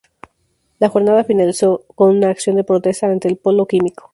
La jornada finalizó con una acción de protesta ante el polo químico